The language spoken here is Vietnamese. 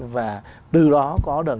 và từ đó có được